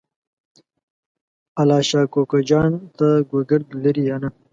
الله شا کوکو جان ته ګوګرد لرې یا نه؟